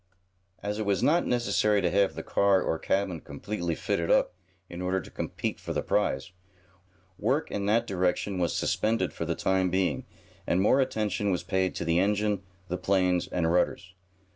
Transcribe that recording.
As it was not necessary to have the car, or cabin, completely fitted up in order to compete for the prize, work in that direction was suspended for the time being, and more attention was paid to the engine, the planes and rudders.